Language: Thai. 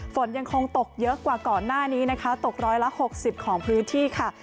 ฝนยังคงตกเยอะกว่าก่อนหน้านี้นะคะตกร้อยละ๖๐ของพื้นที่ค่ะ